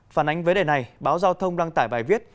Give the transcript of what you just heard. phản ánh vấn đề này báo giao thông đăng tải bài viết